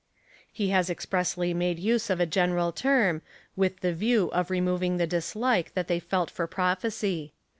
He has expressly made use of a general tei'm, with the view of removing the dislike that they felt for prophecy.